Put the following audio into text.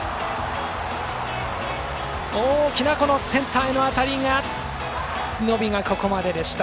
大きなセンターへの当たりが伸びがここまででした。